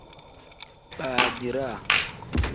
Baadiraa.